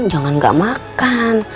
jangan gak makan